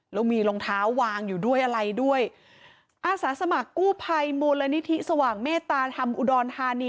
แล้วมีรองเท้าวางอยู่ด้วยอะไรด้วยอาสาสมัครกู้ภัยมูลนิธิสว่างเมตตาธรรมอุดรธานี